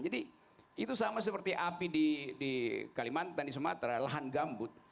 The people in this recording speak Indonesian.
jadi itu sama seperti api di kalimantan di sumatera lahan gambut